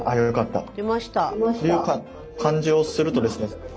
という感じをするとですね